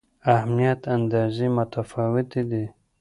اهمیت اندازې متفاوتې دي.